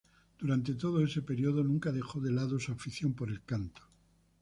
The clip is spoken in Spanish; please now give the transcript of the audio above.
Durante todo ese período nunca dejó de lado su afición por el canto.